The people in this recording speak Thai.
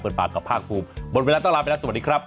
ปากกับภาคภูมิหมดเวลาต้องลาไปแล้วสวัสดีครับ